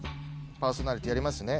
パーソナリティーやりますね？